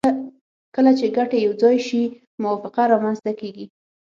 کله چې ګټې یو ځای شي موافقه رامنځته کیږي